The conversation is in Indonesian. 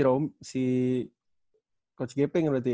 coach gepeng berarti ya